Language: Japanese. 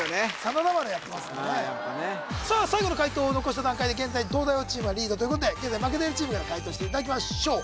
「真田丸」やってますんでねやっぱねさあ最後の解答を残した段階で現在東大王チームがリードということで現在負けているチームから解答していただきましょう